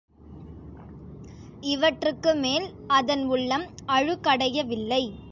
இவற்றுக்கு மேல், அதன் உள்ளம் அழுக்கடையவில்லை.